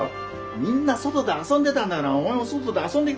みんな外で遊んでたんだからお前も外で遊んできたらどうだ？